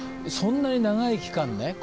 そんなに長い期間ね